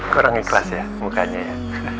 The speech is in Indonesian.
kurang ikhlas ya mukanya ya